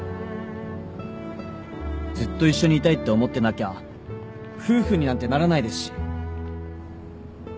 ずっと一緒にいたいって思ってなきゃ夫婦になんてならないですし